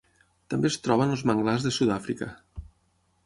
També es troba en els manglars de Sud-àfrica.